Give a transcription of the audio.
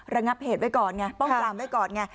ระงับเหตุไว้ก่อนไงป้องปรามไว้ก่อนไง